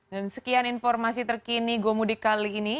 dan sekian informasi terkini gomudik kali ini